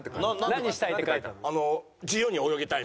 何したいって書いたの？